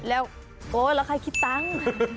แล้วโอ๊ยแล้วใครคิดตังค์